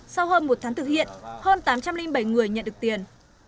sau hơn một tháng thực hiện hơn tám trăm linh bảy người nhận được tiền